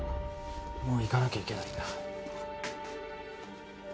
もう行かなきゃいけないんだ